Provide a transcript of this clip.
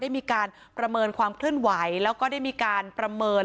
มีการประเมินความเคลื่อนไหวแล้วก็ได้มีการประเมิน